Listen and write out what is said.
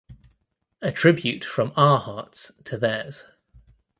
A tribute from our hearts to theirs.